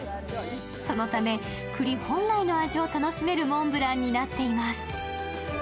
そのためくり本来の味を楽しめるモンブランになっています。